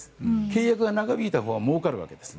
契約が長引いたほうがもうかるわけです。